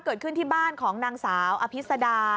เกิดขึ้นที่บ้านของนางสาวอภิษดา